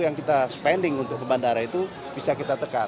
yang kita spending untuk ke bandara itu bisa kita tekan